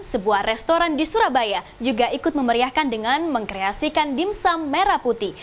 sebuah restoran di surabaya juga ikut memeriahkan dengan mengkreasikan dimsum merah putih